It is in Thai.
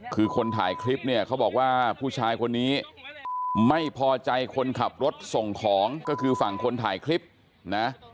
คือคนถ่ายคลิปเนี่ยเขาบอกว่าผู้ชายคนนี้ไม่พอใจคนขับรถส่งของก็คือฝั่งคนถ่ายคลิปนะ